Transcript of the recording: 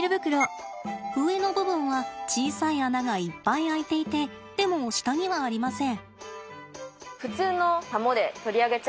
上の部分は小さい穴がいっぱい開いていてでも下にはありません。